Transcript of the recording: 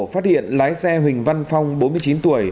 phát hiện lái xe huỳnh văn phong bốn mươi chín tuổi